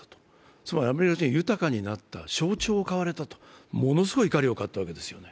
つまりアメリカ人が豊かになった象徴を買われたと、ものすごい怒りを買ったわけです。